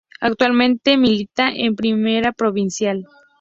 Actualmente milita en Primera Provincial.